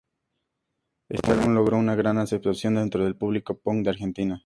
Este álbum logró una gran aceptación dentro del público punk de argentina.